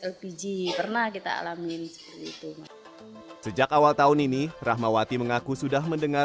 lpg pernah kita alamin seperti itu sejak awal tahun ini rahmawati mengaku sudah mendengar